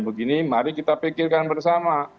begini mari kita pikirkan bersama